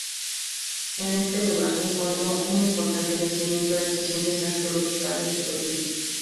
En este lugar se encontró un importante yacimiento de estaciones arqueológicas de superficie.